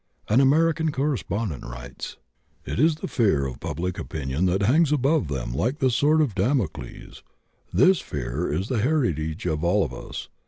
An American correspondent writes: "It is the fear of public opinion that hangs above them like the sword of Damocles. This fear is the heritage of all of us.